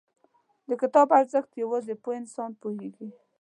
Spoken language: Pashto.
• د کتاب ارزښت، یوازې پوه انسان پوهېږي.